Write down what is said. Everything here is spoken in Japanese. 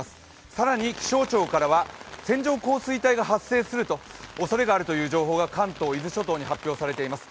更に気象庁からは線状降水帯が発生するおそれがあると関東、伊豆諸島に発表されています。